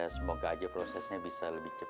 semoga aja prosesnya bisa lebih cepat